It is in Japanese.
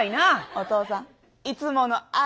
お父さんいつものアレ。